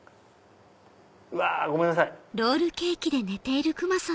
うわっごめんなさい。